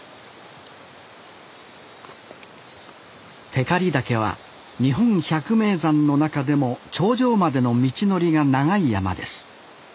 光岳は日本百名山の中でも頂上までの道のりが長い山です。